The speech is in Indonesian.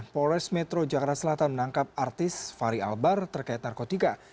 polres metro jakarta selatan menangkap artis fahri albar terkait narkotika